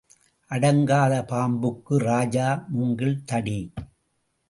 அடங்காத பாம்புக்கு ராஜா மூங்கில் தடி.